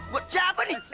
buat siapa nih